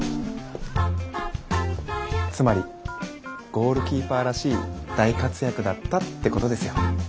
つまりゴールキーパーらしい大活躍だったってことですよ。